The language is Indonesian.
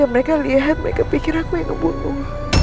yang mereka lihat mereka pikir aku yang ngebunuh